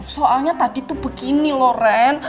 soalnya tadi tuh begini loren